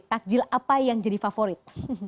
takjil apa yang jadi favorit